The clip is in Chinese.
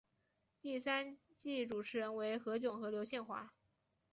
第三季主持人为何炅和刘宪华。